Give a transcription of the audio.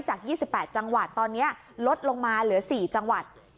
จาก๒๘จังหวัดตอนนี้ลดลงมาเหลือ๔จังหวัด